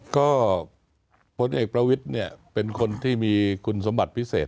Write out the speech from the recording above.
ก็พลเอกประวิตเป็นคนที่มีคุณศัมริปิเศษ